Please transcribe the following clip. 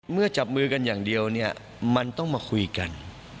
จับมือกันอย่างเดียวเนี่ยมันต้องมาคุยกัน